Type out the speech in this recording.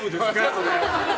それ。